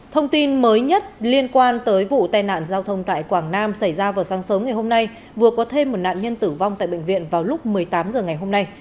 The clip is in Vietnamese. thông tin mới nhất liên quan tới vụ tai nạn giao thông tại quảng nam xảy ra vào sáng sớm ngày hôm nay vừa có thêm một nạn nhân tử vong tại bệnh viện vào lúc một mươi tám h ngày hôm nay